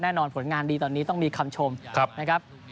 ผลงานดีตอนนี้ต้องมีคำชมนะครับ